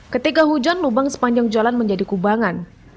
ketika hujan lubang sepanjang jalan menjadi kubangan